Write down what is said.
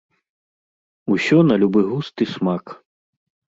Усё на любы густ і смак.